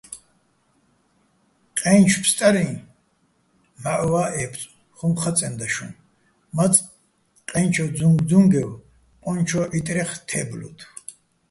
"ყაჲნჩო̆ ფსტარიჼ მჵაჸუჲვა́ ე́ბწო̆," - ხუმ ხაწენდა შუჼ, მაწყ ყაჲნჩო́ ძუნგძუნგევ ყონჩო́ ჺიტრეხ თე́ბლოდო̆.